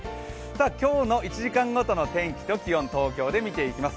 今日の１時間ごとの天気と気温を東京で見ていきます。